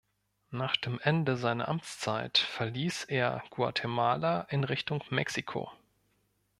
Nach dem Ende seiner Amtszeit verließ er Guatemala in Richtung Mexiko.